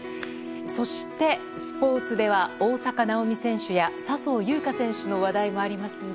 そして、スポーツでは大坂なおみ選手や笹生優花選手の話題もありますが。